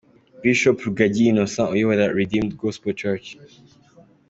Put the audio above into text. Bishop Rugagi Innocent uyobora Redeemed Gospel Church.